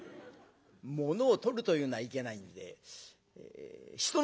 ものをとるというのはいけないんで人の心をとるという。